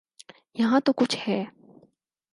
یہاں تو کچھ ہے۔